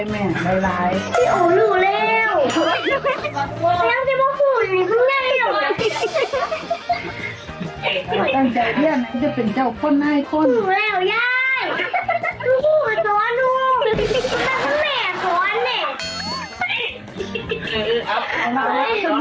มิชุนา